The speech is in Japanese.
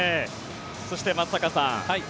そして、松坂さん